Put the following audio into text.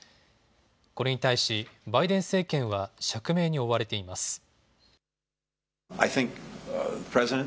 これに対しバイデン政権は釈明に追われています。